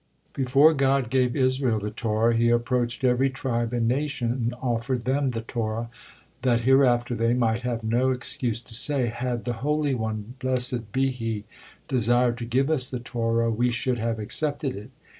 Before God gave Israel the Torah, He approached every tribe and nation, and offered them the Torah, that hereafter they might have no excuse to say, "Had the Holy one, blessed be He, desired to give us the Torah, we should have accepted it."